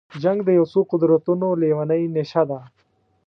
جنګ د یو څو قدرتونو لېونۍ نشه ده.